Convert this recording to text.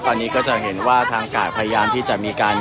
ตอนนี้ก็จะเห็นว่าทางกาดพยายามที่จะมีการ